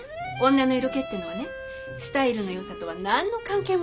女の色気ってのはねスタイルの良さとは何の関係もないのよ。